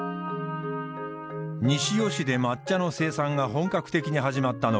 西尾市で抹茶の生産が本格的に始まったのは明治時代。